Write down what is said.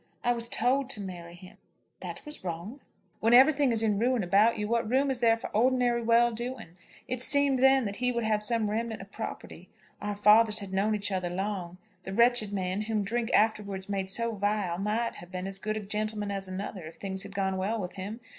I was told to marry him." "That was wrong." "When everything is in ruin about you, what room is there for ordinary well doing? It seemed then that he would have some remnant of property. Our fathers had known each other long. The wretched man whom drink afterwards made so vile might have been as good a gentleman as another, if things had gone well with him.